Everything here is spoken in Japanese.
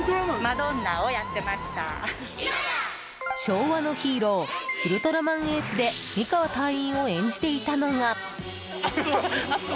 昭和のヒーロー「ウルトラマンＡ」で美川隊員を演じていたのが。